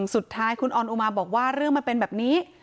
สุดท้ายคุณออนอุมาบอกว่าเรื่องมันเป็นแบบนี้